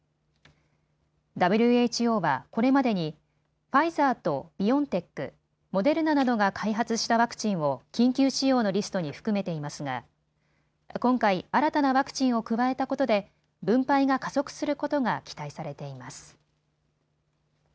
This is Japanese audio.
ＷＨＯはこれまでにファイザーとビオンテック、モデルナなどが開発したワクチンを緊急使用のリストに含めていますが今回、新たなワクチンを加えたことで分配が加速することが期待されています。